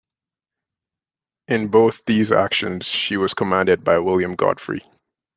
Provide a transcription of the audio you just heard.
In both these actions, she was commanded by William Godfrey.